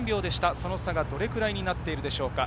その差がどれくらいになっているでしょうか。